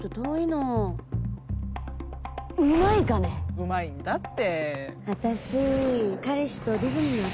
うまいんだって。